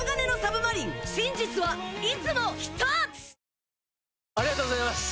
ぷはーっありがとうございます！